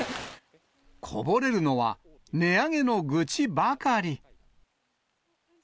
こぼれるのは、値上げの愚痴ばかり。